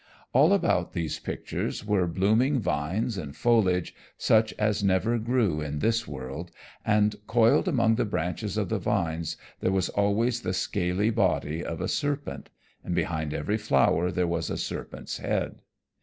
All about these pictures were blooming vines and foliage such as never grew in this world, and coiled among the branches of the vines there was always the scaly body of a serpent, and behind every flower there was a serpent's head.